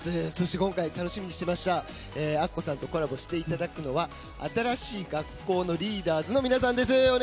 今回楽しみにしていましたアッコさんとコラボしていただくのは新しい学校のリーダーズの皆さんです。